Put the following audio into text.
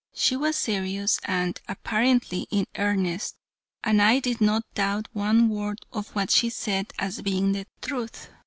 She was serious and, apparently in earnest, and I did not doubt one word of what she said as being the truth.